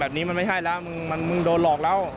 แบบนี้มันไม่ใช่แล้วมึงมึงโดนหลอกแล้ว